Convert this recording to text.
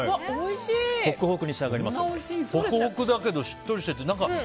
ホクホクだけどしっとりしてて。